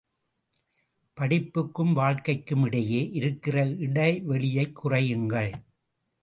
படிப்புக்கும் வாழ்க்கைக்கும் இடையே இருக்கிற இடைவெளியைக் குறையுங்கள்.